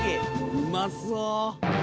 うまそう！